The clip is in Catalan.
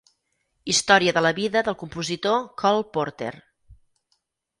Història de la vida del compositor Cole Porter.